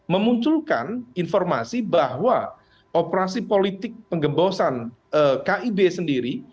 memunculkan informasi bahwa operasi politik penggembosan kib sendiri